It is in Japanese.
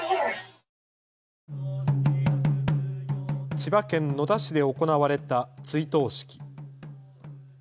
千葉県野田市で行われた追悼式。